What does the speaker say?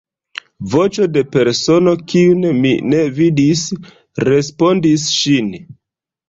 Voĉo de persono, kiun mi ne vidis, respondis ŝin.